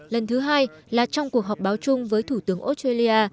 lần thứ hai là trong cuộc họp báo chung với thủ tướng australia